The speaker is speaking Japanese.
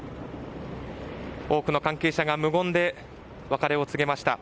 多くの関係者が無言で別れを告げました。